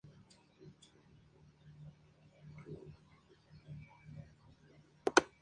Centro: Sede Sastre.